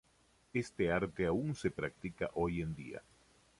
Este arte aún se practica hoy en día.